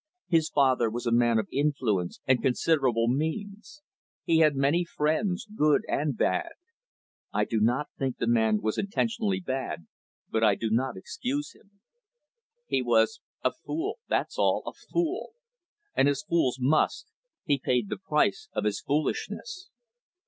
His father was a man of influence and considerable means. He had many friends, good and bad. I do not think the man was intentionally bad, but I do not excuse him. He was a fool that's all a fool. And, as fools must, he paid the price of his foolishness.